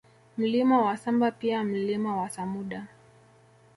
Mlima wa Samba pia Mlima wa Samuda